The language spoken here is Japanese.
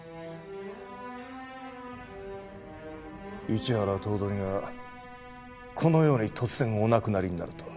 一原頭取がこのように突然お亡くなりになるとは。